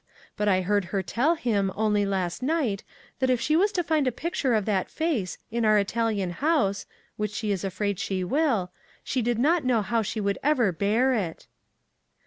But I heard her tell him, only last night, that if she was to find a picture of that face in our Italian house (which she is afraid she will) she did not know how she could ever bear it.